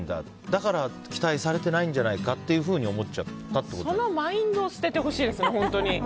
だから期待されてないんじゃないかとそのマインドを捨ててほしいですよ、本当に。